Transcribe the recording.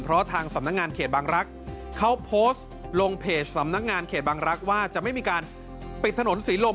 เพราะทางสำนักงานเขตบางรักษ์เขาโพสต์ลงเพจสำนักงานเขตบางรักษ์ว่าจะไม่มีการปิดถนนศรีลม